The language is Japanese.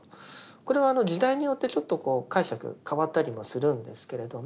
これは時代によってちょっと解釈変わったりもするんですけれども。